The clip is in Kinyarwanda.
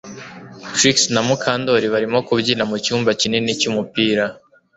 Trix na Mukandoli barimo kubyina mu cyumba kinini cyumupira